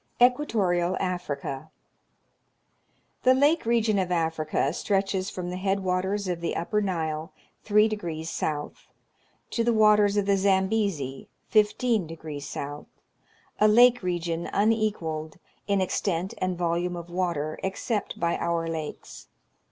Equatorial Africa. The lake region of Africa stretches from the head waters of the upper Nile three degrees south, to the waters of the Zambezi, fifteen degrees south, — a lake region unequalled, in extent and volume of water, except by our lakes.